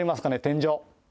天井。